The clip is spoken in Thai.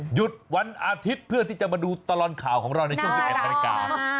หยุดวันอาทิตย์เพื่อที่จะมาดูตลอดข่าวของเราในช่วง๑๑นาฬิกา